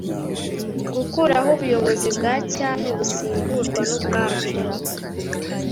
Gukuraho ubuyobozi bwa cyami busimburwa n ubwacu